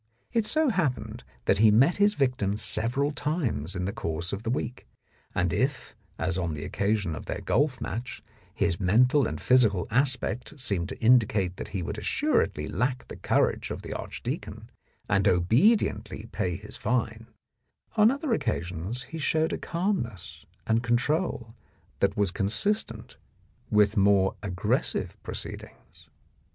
It so happened that he met his victim several times in the course of the week, and if, as on the occasion of their golf match, his mental and physical aspect seemed to indicate that he would assuredly lack the courage of the archdeacon and obediently pay his fine, on other occasions he showed a calmness and control that was consistent with more aggressive 48 The Blackmailer of Park Lane proceedings.